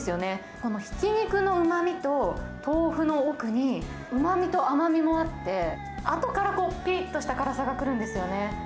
このひき肉のうまみと豆腐の奥に、うまみと甘みもあって、あとからぴりっとした辛さが来るんですよ